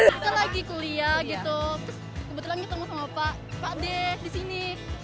setelah lagi kuliah gitu kebetulan ditemu sama pak pak deh disini